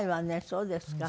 そうですか。